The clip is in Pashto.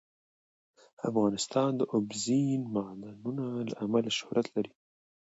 افغانستان د اوبزین معدنونه له امله شهرت لري.